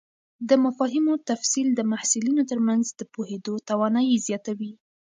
د مفاهیمو تفصیل د محصلینو تر منځ د پوهېدو توانایي زیاتوي.